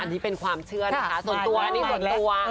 อันนี้เป็นความเชื่อนะคะส่วนตัวอันนี้ส่วนตัว